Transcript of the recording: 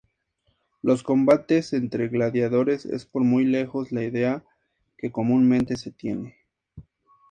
Los combates entre gladiadores es por muy lejos la idea que comúnmente se tiene.